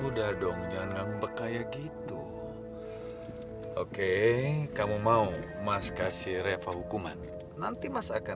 udah dong jangan ngambek kayak gitu oke kamu mau mas kasih refah hukuman nanti mas akan